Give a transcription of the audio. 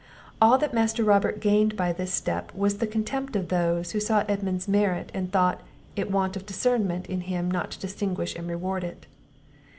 All that Master Robert gained by this step was the contempt of those, who saw Edmund's merit, and thought it want of discernment in him not to distinguish and reward it.